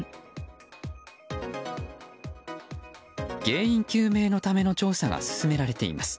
原因究明のための調査が進められています。